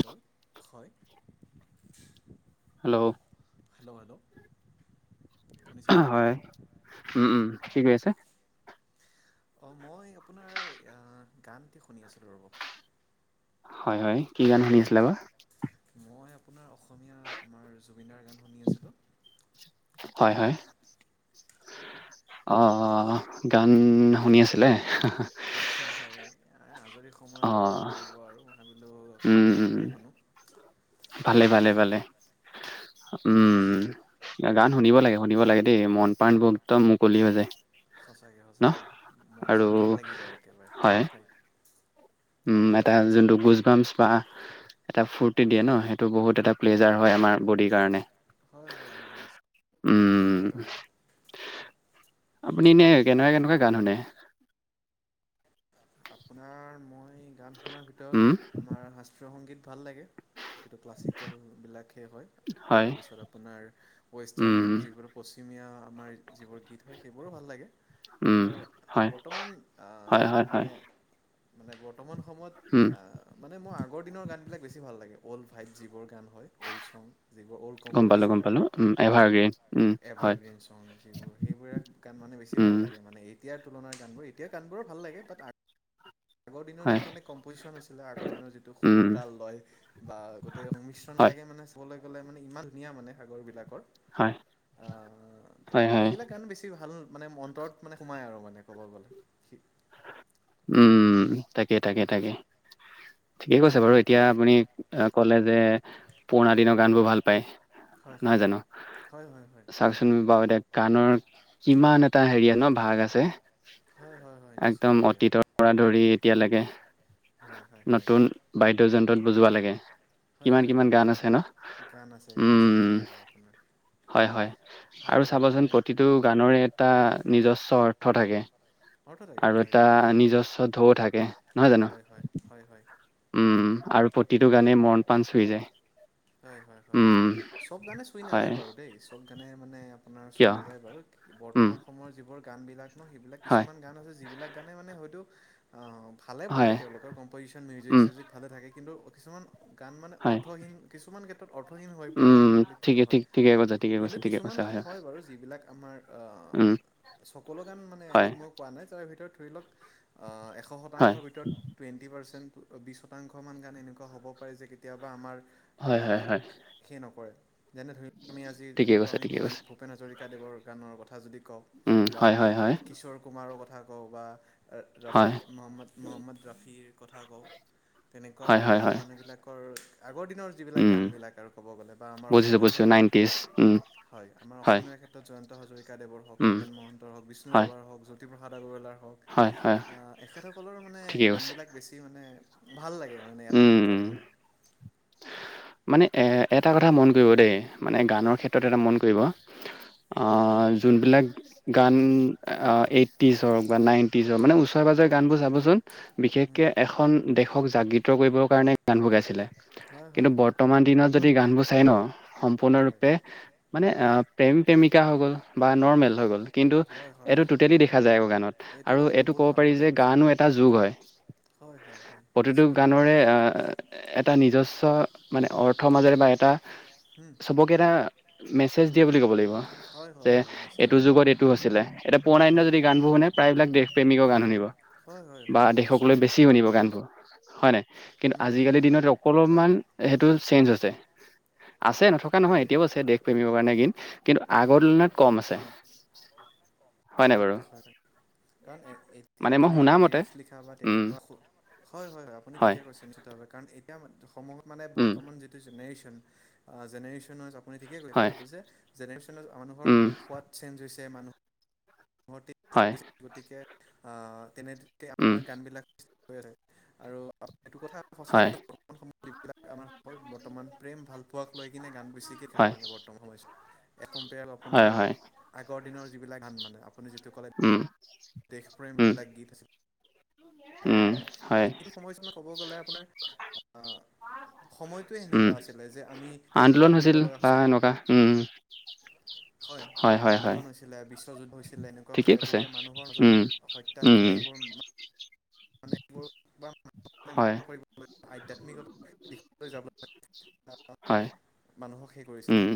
চৌ হয়। Hello hello বাইদেউ। হয়, উম, উম' কি হয় কৰিছে? অঁ মই আপোনাৰ এয়া গানটি শুনি আছিলো ৰ'ব। হয় হয়, কি গান শুনি আছিলা বা? মই আপোনাৰ অসমীয়া আমাৰ জুবিনদাৰ গান শুনি আছিলোঁ। হয় হয়। অঁ অঁ গান শুনি আছিলে। হয় হয়, আজৰি সময় অ আৰু কি কৰিব আৰু মই ভাবিলোঁ উম অকমান উম গানকে শুনো। ভালে ভালে ভালে, উম'। গান শুনিব লাগে শুনিব লাগে দেই, মন প্ৰাণবোৰ একদম মুকলি হৈ যায়। সঁচাকৈ ন সঁচাকে, মন আৰু চন ভাল লাগি যায় একেবাৰে, হয় নাই। উম' এটা যোনটো গোট- বা এটা ফুৰতি দিয়ে ন, সেইটো বহুত এটা প্লেজাৰ হয় আমাৰ বডিৰ কাৰণে। হয় হয় হয় উম' নিশ্চিতভাৱে আপুনি এনেই কেনেকুৱা কেনেকুৱা গান শুনে? আপোনাৰ মই গান শুনাৰ উম ভিতৰত আমাৰ শাস্ত্ৰীয় সংগীত ভাল লাগে। সেইটো ক্লাছিকেলবিলাকহে হয়, হয় তাৰপিছত আপোনাৰ উম ৱেষ্টাৰ্ণ যিবোৰ- পশ্চিমীয়া আমাৰ যিবোৰ গীত হয়, সেইবোৰো ভাল লাগে। উম কিন্তু হয় বৰ্তমান হয় আঁ- হয় হয় মানে বৰ্তমান উম সময়ত আঁ- মানে মই আগৰ দিনৰ গানবিলাক বেছি ভাল লাগে, অওল ভাইভ যিবোৰ গান হয় অ'ল্ড চং যিবোৰ অল্ড- গম পালো গম কম্প'জিচন হয় পালো উম এভাৰগ্ৰীণ উম ন হয় এভাৰগ্ৰীণ ছং যিবোৰ সেইবোৰে- গান মানে বেছি উম ভাল লাগে মানে এতিয়াৰ তুলনাৰ গানবোৰ এতিয়াৰ গানবোৰো ভাল লাগে বাট আ- আগৰ দিনৰ হয় যিটো মানে কম্পজিশন আছিলে, আগৰ দিনৰ যিটো উম সুৰতাল লয়- বা গোটেই সংমিশ্ৰণ হয় বিলাকে মানে চাবলে গ'লে মানে ইমান ধুনীয়া মানে সাগৰ বিলাকৰ। হয় অঁ' ত হয় হয় সেইবিলাক গান বেছি ভাল- মানে অন্তৰত মানে সোমায় আৰু মানে ক'ব গ'লে। উম' তাকে তাকে তাকে। ঠিকেই কৈছে বাৰু এতিয়া আপুনি এঁ কলে যে পুৰণা দিনৰ গান বোৰ ভাল পায়। হয় নহয় হয় জানো, হয় হয় হয় চাওচোন বাৰু এতিয়া- গানৰ কিমান এটা হেৰিয়া ন ভাগ আছে। হয় হয় হয় নিশ্চিতভাৱে। গীতৰ পৰা ধৰি এতিয়ালৈকে হয় হয় হয় নতুন বাদ্যযন্ত্ৰত বুজোৱা লাগে। হয় কিমান হয় হয় কিমান গান আছে ন গান আছে গান আছে উম। তাকেহে আপোনাৰ হয় হয় ভাল আৰু লাগে চাবচোন আপোনাৰ এই প্ৰতিটো হয় গানৰে এটা নিজস্ব অৰ্থ থাকে। অৰ্থ থাকে অৰ্থ থাকে এটা নিজস্ব ঢৌ থাকে নহয় জানো। হয় হয় হয় হয়। উম উম আৰু প্ৰতিটো গানেই মৰণ পাণ চুই যায়। হয় হয় হয় উম চব গানে চুই হয় নাযায় বাৰু দেই চব গানে মানে আপোনাৰ চুই কিয় নাযায় বাৰু উম বৰ্তমান সময়ৰ যিবোৰ গানবিলাক সেইবিলাক হয় কিছুমান গান আছে যিবিলাক গানে মানে হয়তো অ ভালে হয় বনাই তেওঁলোকেও কম্পজিশন মিউজিক উম চিউজিক ভালে থাকে কিন্তু কিছুমান গান মানে হয় অৰ্থহীন কিছুমান ক্ষেত্ৰত অৰ্থহীন হৈ পৰা উম যেন পৰিলক্ষিত ঠিকে হয়। ঠিক ঠিকে কৈছা ঠিকে কৈছা কিন্তু ঠিকে কিছুমান কৈছা গান হয় বাৰু যিবিলাক আমাৰ উম চকলো গান মানে হয় এইটোক মই পোৱা নাই তাৰে ভিতৰত ধৰি লক এশ হয় শতাংশৰ ভিতৰত টুৱেণ্টি পাৰ্চেণ্ট বিশ শতাংশমান গান এনেকুৱা হ'ব পাৰে যে কেতিয়াবা আমাৰ হয় হয় অ' হয় সেই নকৰে যেনে ধৰি লওক আমি আজি ঠিকে যদি কওঁ কৈছে আমি ঠিকে ভূপেন কৈছে ভূপেন হাজৰিকাদেৱৰ গানৰ কথা যদি কওঁ উম বা হয় আমি হয় হয় কিশোৰ কুমাৰৰ কথা কওঁ বা আহ ৰাফ হয় মহম্মদ মহম্মদ ৰাফিৰ কথা কওঁ। তেনেকুৱা হয় হয় হয় মানুহবিলাকৰ আগৰ দিনৰ যিবিলাক উম গানবিলাক আৰু ক'ব গ'লে বা আমাৰ বুজিছো অসমীয়া বুজিছো ক্ষেত্ৰত নাইনটিজ উম হয়, আমাৰ হয় অসমীয়া ক্ষেত্ৰত জয়ন্ত হাজৰিকা দেৱৰ হওঁক উম খগেন মহন্তৰ হওঁক [unintelligible] বিষ্ণু হয় ৰাভাৰ হওঁক জ্যোতিপ্ৰসাদ আগৰৱালাৰ হওঁক হয় হয় আহ এখেতসকলৰ মানে ঠিকে গান কৈছে বিলাক বেছি মানে ভাল লাগে। মানে এটা উম ক্ষেত্ৰত মানে। মানে এ এটা কথা মন কৰিব দেই মানে হয় গানৰ ক্ষেত্ৰতে এটা মন কৰিব। অ' যোনবিলাক গান অ' এইট্টিজ হওঁক, বা নাইনটিজ হওঁক, মানে ওচৰে পাজৰে গানবোৰ চাবচোন। উম, বিশেষকে এখন দেশক জাগৃত কৰিবৰ কাৰণে গানবোৰ গাইছিলে। হয় হয় কিন্তু হয় বৰ্তমান দিনত যদি গানবোৰ চাই ন হয় সম্পূৰ্ণৰূপে মানে আহ প্ৰেম প্ৰেমিকা হৈ গ'ল বা নৰ্মেল হৈ গ'ল কিন্তু হয় হয় এইটো হয় টুটেলি দেখা যায় আকৌ গানত আৰু এইটো বহুত ক'ব ভাল পাৰি কথা যে কৈছে গানো এটা যুগ হয়। হয়, হয়, হয়, প্ৰতিটো নিশ্চিত গানৰে এটা নিজস্ব মানে অৰ্থৰ মাজেৰে বা এটা হুম, চ'বকে এটা মেছেজ দিয়ে বুলি ক'ব লাগিব। হয়, যে হয়, হয়। এইটো নিশ্চিতভাৱে যুগত এইটো আছিলে, এতিয়া পুৰণা দিনৰ হয় যদি গানবোৰ শুনে, প্ৰায়বিলাক দেশ প্ৰেমিকৰ গান শুনিব। হয় হয় বা হয় দেশক লৈ নিশ্চিতভাৱে বেছি শুনিব গানবোৰ। হয় নাই, কিন্তু হুম হুম আজিকালি হুম দিনত অকন হয় মান হয় সেইটো চেঞ্জ হৈছে আছে নথ নথকা নহয় হয় এতিয়াও আছে দেশ প্ৰেমৰ কাৰণে গিন কিন্তু আগৰ তুলনাত ক'ম আছে। নাই হয়, বাৰু হয়। কাৰণ মানে এতিয়া মই শুনা তেনেকুৱা মতে লিৰিক্স লিখা বা উম তেনেকুৱা হয়, হয়, হয়, আপুনি ঠিকে কৈছে নিশ্চিতভাৱে কাৰণ এতিয়া সময়ত মানে উম বৰ্তমান যিটো জেনেৰেশ্যন জেনেৰেশ্যনজ ৱেজ আপুনি ঠিকে ক'লে হয় কথাটো যে জেনেৰেশ্যনজ মানুহৰ উম সোৱাদ চেঞ্জ হৈছে মানুহ হয় [unintelligible] গতিকে তেনেকে উম আমাৰ গানবিলাক [unintelligible] আৰু এইটো কথা সঁচা হয় বৰ্তমান সময়ত যিবিলাক আমাৰ মই বৰ্তমান প্ৰেম ভাল পোৱাক লৈ কিনে গান বেছিকে গায় হয় ম বৰ্তমান সময়ছোৱাত। একম্পেয় হয় আপোনাৰ হয় আগৰ দিনৰ যিবিলাক গান মানে আপুনি যিটো ক'লে উম। দেশ উম প্ৰেমবিলাক গীত আছিল। উম আগতকে কাৰণ হয় এইটো সময়ছোৱাত ক'ব গ'লে আপোনাৰ অ'। সময়টোৱে উম সেনেকুৱা আছিলে যে আমি আন্দোলন তেনেকুৱা হৈছিল লিখিব লগা বা হৈছিলে। এনেকুৱা উম হয়, হয়, আন্দোলন হৈছিলে বিশ্বযুদ্ধ হৈছিলে এনেকুৱা ঠিকেই হৈছিলে কৈছে গতিকে মানুহৰ য'ত উম হত্যা উম হিংসা এইবোৰ [inaudible] [unintelligible] হয় আধ্যাত্মিকতাৰ দিশ যাব কাৰণ হয়, মানুহক সেই উম, কৰিছিলে।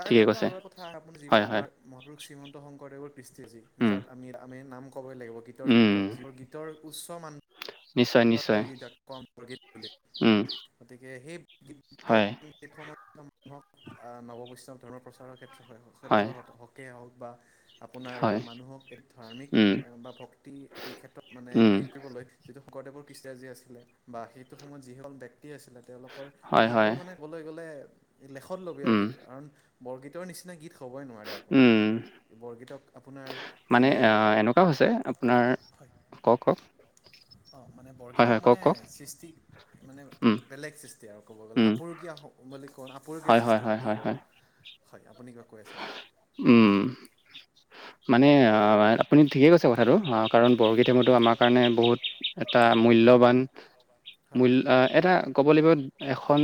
তাৰ ঠিকে ভিতৰতো কৈছে। আৰু এটা কথা আপুনি যি হয়, হয়, আমাৰ মহাপুৰুষ শ্ৰীমন্ত শংকৰদেৱৰ কৃষ্টি আছে উম, যাত আমি আমি নাম ক'বই লাগিব গীতৰ উম, ক্ষেত্ৰত। যিবোৰ গীতৰ উচ্চ নিশ্চয়, নিশ্চয়, মানৰ গীত বুলি। উম, গতিকে সেই হয়, [unintelligible] নৱ বৈষ্ণৱ ধৰ্মৰ প্ৰচাৰৰ ক্ষেত্ৰত হয়, ক্ষেত্ৰৰ হ'কে হওঁক বা আপোনাৰ বা হয়, মানুহক এই ধাৰ্মিক উম, বা ভক্তি এই ক্ষেত্ৰত মানে উম, সে কৰিবলৈ গদেৱৰ কৃষ্টৰাজী আছিলে বা সেইটো সময়ত যিসকল ব্যক্তি আছিলে তেওঁলোকৰ হয়, হয়, গীতবোৰ মানে ক'বলৈ গ'লে লেখত লবীয়া উম, গীত কাৰণ বৰগীতৰ নিচিনা গীত হ'বই নোৱাৰে। মানে উম, বৰগীতক আপোনাৰ মানে অ', এনেকুৱা হৈছে আপোনাৰ কওঁক কওঁক। অ', মানে বৰগীতক মানে সৃষ্টি মানে উম, বেলেগ সৃষ্টি তি আৰু ক'ব গ'লে উম, আপৰুগীয়া বুলি ক আপুৰুকীয়া হয়, হয়, সৃষ্টি হয়, মানে হয়, সেইবোৰ। হয়, হয় আপুনি কিবা কৈ আছিলে। উম, মানে অ', আপুনি ঠিকেই কৈছে কথাটো। কাৰণ বৰগীতেটো উম আমাৰ কাৰণে বহুত এটা মূল্যৱান হয় মূল্য অ', এটা ক'ব লাগিব এখন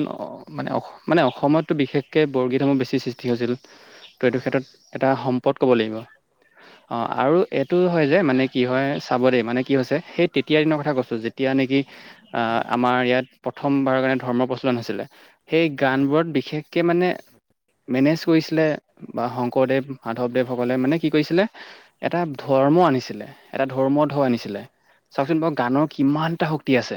মানে মানে অস-অস-অসমততো বিশেষকৈ বৰগীতসমূহ বেছি সৃষ্টি তি হৈছিল, ত' এইটো হয় হয় এটা সম্পদ ক'ব লাগিব, অ', আৰু এইটো হয় যে মানে কি হয় চাব দেই মানে কি হৈছে সেই তেতিয়াৰ দিনৰ কথা কৈছোঁ যেতিয়া নেকি আ, উম আমাৰ ইয়াত প্ৰথমবাৰৰ কাৰণে ধৰ্ম প্ৰচলন হৈছিলে সেই গানবোৰত বিশেষকৈ মানে মেনেজ কৰিছিলে বা শংকৰদেৱ মাধৱদেৱসকলে মানে কি কৰিছিলে এটা ধৰ্ম আনিছিলে এটা ধৰ্ম ঢৌ আনিছিলে। হয় চাওঁকচোন হয় বাৰু গানৰ কিমানটা হয় শক্তি আছে।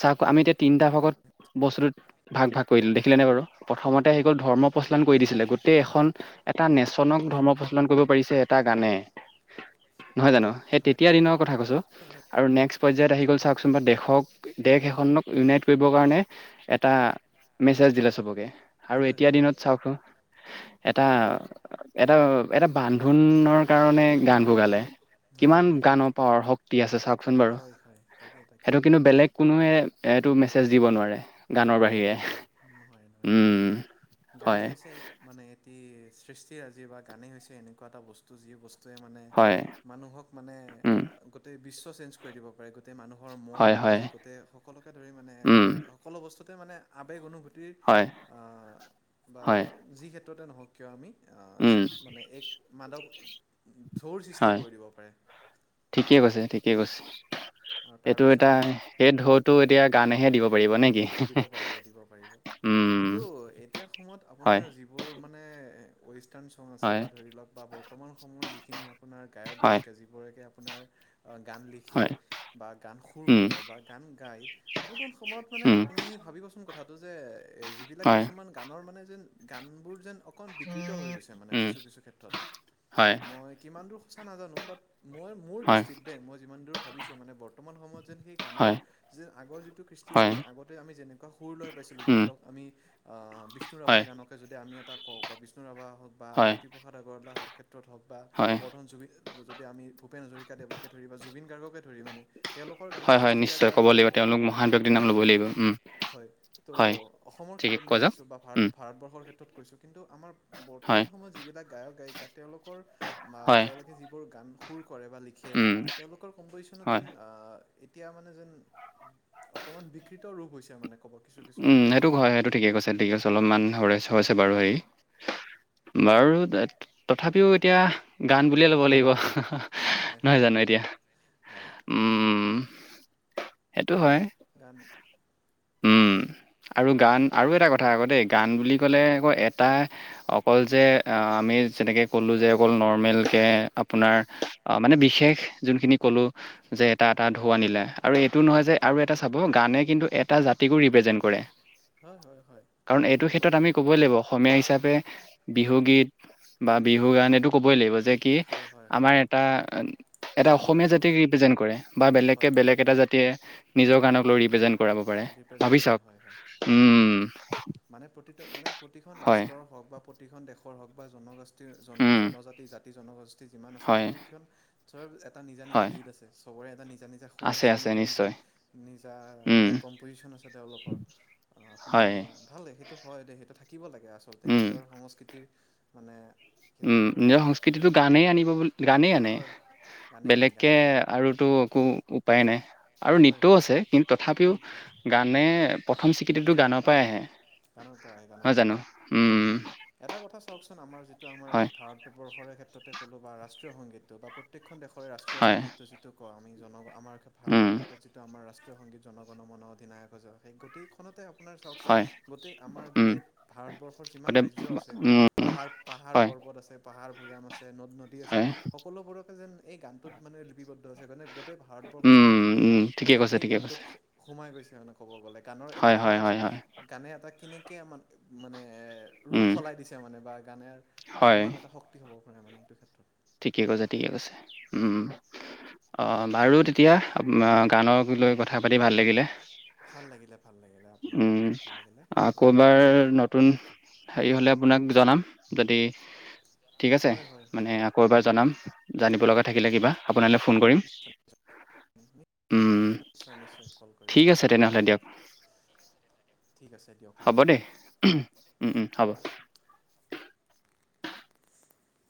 চাওঁক আমি এতিয়া তিনিটা ভাগত বস্তুটোত ভাগ ভাগ কৰিলোঁ দেখিলেনে বাৰু প্ৰথমতে আহি গ'ল ধৰ্ম প্ৰচলন কৰি হয় দিছিলে গোটেই এখন এটা নেশচনক ধৰ্ম প্ৰচলন কৰিব পাৰিছে এটা গানে। নহয় জানো, সেই হয় হয় হয় হয় তেতিয়া হয় দিনৰ কথা কৈছো। আৰু নেক্সট পৰ্যায়ত আহি গ'ল উম চাওঁকচোন বা দেশক দেশ এখনক ইউনাইট কৰিবৰ কাৰণে এটা মেছেজ দিলে চবকে আৰু হয় এতিয়া দিনত চাওঁকচোন। এটা এটা এটা বান্ধোনৰ কাৰণে গানবোৰ গালে কিমান হয় হয় হয় গানৰ পাৱাৰ শ তি আছে চাওঁকচোন হয় বাৰু, হয় হয় তাকে তাকে সেইটো কিন্তু বেলেগ কোনোৱে এইটো মেছেজ দিব নোৱাৰে। গানৰ নোৱাৰে বাহিৰে, নোৱাৰে নোৱাৰে নোৱাৰে নোৱাৰে উম। গানেই হয়, হৈছে এক মানে এটি সৃষ্টিৰাজি বা গানেই হৈছে এনেকুৱা এটা বস্তু যি বস্তু যে মানে হয়, মানুহক মানে উম, গোটেই বিশ্ব চেঞ্জ কৰি দিব পাৰে, গোটেই মানুহৰ মন হয়, হয়, মগজু গোটেই সকলে ধৰি মানে উম, সকলো বস্তুতে মানে আৱেগ অনুভূতিৰ হয়, বা হয়, যি ক্ষেত্ৰতে নহওক কিয় আমি উম, মানে এক মাদক ঢৌৰ সৃষ্টি হয়। কৰি দিব পাৰে। ঠিকেই কৈছে, ঠিকেই কৈছে। আৰু এইটো এটা তাৰপিছত সেই ঢৌত তো এতিয়া গানেহে দিব পাৰিব নে কি? দিব পাৰিব দিব পাৰিব, উম, কিন্তু এতিয়া সময়ত হয়, আপোনাৰ যিবোৰ মানে ৱেষ্টাৰ্ণ ছং আছে হয়, বা ধৰি লওক বা বৰ্তমান সময়ৰ যিখিনি আপোনাৰ গায়ক হয়, গায়িকা জী গৰাকীয়ে আপোনাৰ গান লিখে হয়, বা গান সুৰ উম, কৰে বা গান গায় বৰ্তমান সময়ত মানে উম, আপুনি ভাবিবচোন কথাটো যে যিবিলাক হয়, কিছুমান গানৰ মানে যেন গানবোৰ যেন অকণ বিকৃত হৈ গৈছে মানে উম, কিছু কিছু ক্ষেত্ৰত, হয়, মই কিমান দূৰ সঁচা নাজানো বাট মই মোৰ হয়, দৃষ্টিত দেই মই যিমান দূৰ ভাবিছোঁ বৰ্তমান যেন সেই গানৰ হয়, যে আগৰ যিটো কৃষ্টি হয়, ৰাজি আগত ত আমি যেনেকুৱা সুৰ লৈ পাইছিলোঁ ধৰি উম, লওক আমি বিষ্ণু ৰাভাৰ হয়, গানক যদি আমি এটা কও বা বিষ্ণু ৰাভা হওক বা হয়, জ্যোতিপসাদ আগৰৱালা ক্ষেত্ৰত হওক বা হয়, বৰ্তমান যু যদি আমি ভূপেন হাজৰিকাদেৱকে ধৰি বা জুবিন গাৰ্গকে ধৰি মানে, তেওঁলোকৰ হয়, গানৰ হয়, সৃষ্টিৰাজি নিশ্চয় ক'ব আৰু লাগিব বৰ [unintelligible] ল'বই লাগিব, উম। হয় ত' হয়, অসমৰ ঠিকে ক্ষেত্ৰত মই কৈ যাওক। কৈছোঁ বা উম, ভাৰতবৰ্ষৰ কৈছোঁ কিন্তু আমাৰ হয়, বৰ্তমান সময়ত যিবিলাক গায়ক, গায়িকা, তেওঁলোকৰ, হয়, তেওঁলোকে যিবোৰ গান সুৰ কৰে বা লি [unintelligible] উম, তেওঁলোকৰ কম্পজিশনত হয়, যেন, এতিয়া মানে যেন, অকমান বিক [unintelligible] হৈছে মানে ক'ব সেইটোক হয়, সেইটো ঠিকে কৈছে, ঠিক আছে অলপমান হৈছে বাৰু হেৰি। বাৰু, তথাপিও এতিয়া গান বুলিয়ে ল'ব লাগিব। হয় নহয় হয় জানো হয় এতিয়া, হয় উম সেইটো হয়। গান উম, আৰু গান আৰু এটা কথা আকৌ দেই, গান বুলি ক'লে আকৌ এটা অকল যে আমি যেনেকে ক'লো যে অকল নৰ্মেলকে আপোনাৰ অ', মানে বিশেষ যোনখিনি কলো, যে এটা এটা ঢৌ আনিলে আৰু এইটো নহয় হয় যে আৰু এটা চাব, গানে কিন্তু এটা জাতিকো ৰিপ্ৰেজেণ্ট কৰে। হয় হয় হয় কাৰণ এইটো ক্ষেত্ৰত প্ৰতিটো আমি কবই লাগিব অসমীয়া হিচাপে, বিহু গীত বা উম, বিহু গান এইটো ক'বই লাগিব যে কি হয় হয় হয় আমাৰ এটা এ, জাতি অসমীয়া জনপদ জাতিক ৰিপ্ৰেজেন্ট কৰে বা বেলেগে হয় হয় বেলেগ এটা জাতি [unintelligible] নিজৰ গানক লৈ ৰিপ্ৰেজেণ্ট কৰাব পাৰে, ৰিপ্ৰেজেণ্ট ভাবি কৰে চাওক। হয় হয় হয়, হয়, উম মানে প্ৰতি, মানে প্ৰতিখন হয় ৰাষ্ট্ৰৰ হওক বা প্ৰতিখন দেশৰ হওক বা জনগোষ্ঠীয় জন উম জনজাতি জাতি, জনগোষ্ঠী যিমান আছে হয় প্ৰতিখন চবৰে এটা নিজা নিজা হয় গীত আছে, চবৰে এটা নিজা নিজা সুৰ আছে, নিজা নিজা নিজা, উম নিজা কম্পজিশচন আছে তেওঁলোকৰ, আপুনি হয় ভালে, সেইটো হয়, দেই সেইটো থাকিব লাগে আ [unintelligible] উম নিজৰ সংস্কৃতিৰ মানে সেইটো নিজৰ সংস্কৃতিটো গানেই আনিব বুলি, গানেই আনে, হয় গানে আনে বেলেগকে গানে আনে আৰুতো একো উপায় নাই আৰু হয় নৃত্যও হয় আছে হয় কিন্ত তথাপিও গানে প্ৰথম টো গানৰ পৰাই আহে, গানৰ পৰা আহে গানৰ নহয় পৰা আহে জানো? এটা কথা চাওকচোন, আমাৰ যিটো আমাৰ, হয় ভাৰত বৰ্ষৰে ক্ষেত্ৰতে ক'লো বা ৰাষ্ট্ৰ সংগীতটো বা প্ৰত্যেখন দেশৰে ৰাষ্ট্ৰীয় হয় সংগীতটো যিটো কওঁ আমি জন গ, আমাৰ উম ভাৰতৰ ক্ষেত্ৰত আমাৰ ৰাষ্ট্ৰীয় সংগীত, জনগণ মন অধিনায়ক জয় হে, গোটেইখনতে আপোনাৰ চাওঁক চোন, হয় গোটেই আমাৰ উম গোটেই ভাৰতবৰ্ষৰ যিমান গতে ৰাজ্য আছে উম পাহাৰ, পাহাৰ হয় পৰ্বত আছে, পাহাৰ ভৈয়াম আছে, নদ নদী আছে হয় সকলোবোৰকে যেন এই গানটোত মানে লিপিবদ্ধ হৈছে, মানে গোটেই ভাৰতবৰ্ষখনে উম যাতে উম ঠিকে যেন কৈছে সেই ঠিকে গানটোত কৈছে সোমাই গৈছে মানে ক'ব গ'লে, গানৰ এটি হয় হয় কিমান হয় হয় গানে এটা কেনেকে মানে উম ৰূপ সলাই দিছে মানে বা গানে, হয় কিমান এটা শক্তি হ'ব পাৰে মানে এইটো ক্ষেত্ৰত। ঠিকে কৈছে, ঠিকে কৈছে, উম। অ' বাৰু তেতিয়া, গানক লৈ কথা পাতি ভাল লাগিলে। ভাল লাগিলে, ভাল লাগিলে, আপোনাৰ উম লগতো ভাল লাগিলে, আকৌ গান এবাৰ শুনিব। নতুন হেৰি হ'লে আপোনাক জনাম, যদি, ঠিক আছে, হয় হয় মানে ক'ৰবাৰ জনাম, জানিব লগা থাকিলে কিবা, আপোনালৈ ফোন কৰিম। নিশ্চয় উম, নিশ্চয় নিশ্চয় কল কৰিব ঠিক মোলৈ আছে তেনেহ'লে দিয়ক। ঠিক আছে দিয়ক। ভাল হ'ব দেই, লাগিল উম উম হ'ব। [unintelligible]